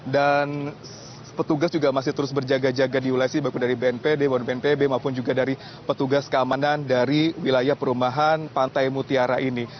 dan petugas juga masih terus berjaga jaga diulasi baik dari bnp demon bnpb maupun juga dari petugas keamanan dari wilayah perumahan pantai mutiara ini